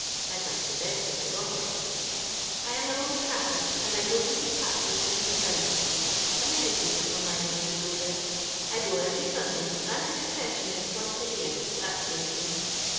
I'd like the boatlflgotit I am a Boman Oatholio, and I go to St. Patrick's, in St. Giles's ; a many people from my neigbbourbood go there. I go every Sundi^, and to Confession just once a yoar ^tbatsaTes me.